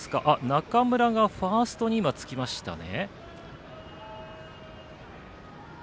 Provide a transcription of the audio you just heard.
中村がファーストにつきましたね。